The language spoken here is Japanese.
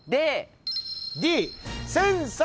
Ｄ。